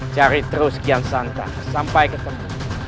cari terus kian santan sampai ketemu